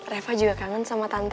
reva juga kangen sama tante